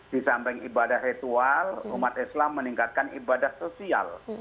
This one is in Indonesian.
di samping ibadah ritual umat islam meningkatkan ibadah sosial